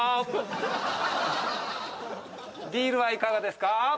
ビールはいかがですか？